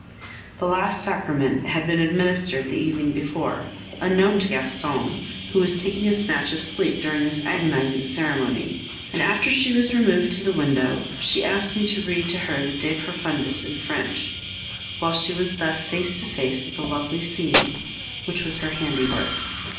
The last sacrament had been administered the evening before, unknown to Gaston, who was taking a snatch of sleep during this agonizing ceremony; and after she was moved to the window, she asked me to read her the De Profundis in French, while she was thus face to face with the lovely scene, which was her handiwork.